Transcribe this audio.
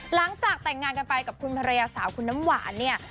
หลังจากแต่งงานกันไปกับคุณภรรยาสาวคุณน้ำหวานเนี่ย